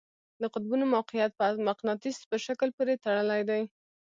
د قطبونو موقیعت په مقناطیس په شکل پورې تړلی دی.